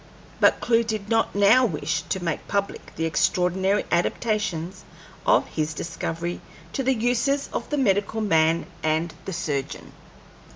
But Clewe did not now wish to make public the extraordinary adaptations of his discovery to the uses of the medical man and the surgeon.